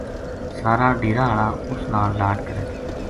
سارا ڈیرا ہالا اس نال لاڈ کرے تھا